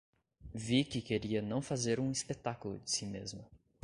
Vicky queria não fazer um espetáculo de si mesma.